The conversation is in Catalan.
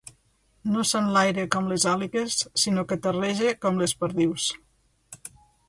No s'enlaira com les àligues, sinó que terreja com les perdius.